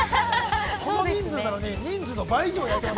この人数なのに人数の倍以上焼いてます。